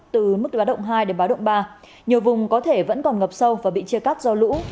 từ mức ba hai đến ba ba nhiều vùng có thể vẫn còn ngập sâu và bị chia cắt do lũ